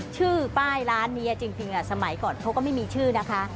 ชื่อป้ายร้านนี้จริงสมัยก่อนเขาก็ไม่มีชื่อนะคะ